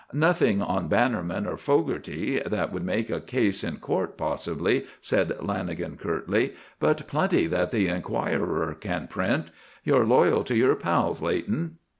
"Nothing on Bannerman or Fogarty that would make a case in court, possibly," said Lanagan, curtly, "but plenty that the Enquirer can print. You're loyal to your pals, Leighton."